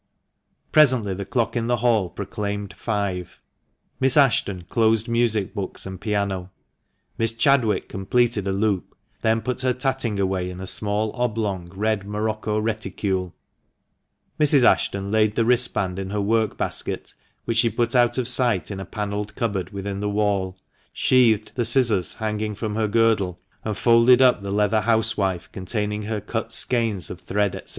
Presently the clock in the hall proclaimed " five." Miss Ashton closed music books and piano ; Miss Chadwick completed a loop, then put her tatting away in a small, oblong, red morocco reticule ; Mrs. Ashton laid the wristband in her work basket, which she put out of sight in a panelled cupboard within the wall, sheathed the scissors hanging from her girdle, and folded up the leather housewife containing her cut skeins of thread, &c.